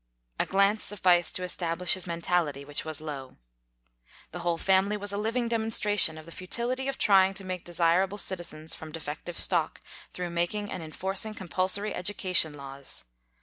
A glance sufficed to estab lish his mentality, which was low. The whole family was a living demonstration of the futility of trying to make desirable citizens from defective stock through making and enforcing compulsory education laws.